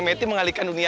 metti jalan dulu ya